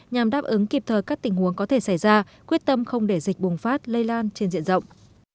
nhằm đáp ứng kịp thời các tình huống có thể xảy ra quyết tâm không để dịch bùng phát lây lan trên diện rộng